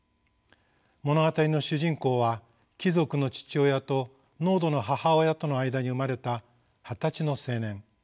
物語の主人公は貴族の父親と農奴の母親との間に生まれた二十歳の青年。